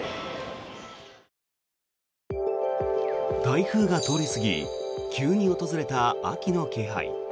台風が通り過ぎ急に訪れた秋の気配。